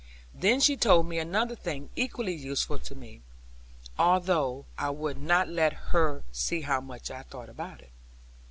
Then she told me another thing equally useful to me; although I would not let her see how much I thought about it.